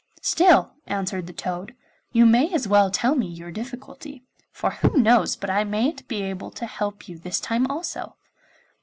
'Still,' answered the toad, 'you may as well tell me your difficulty, for who knows but I mayn't be able to help you this time also.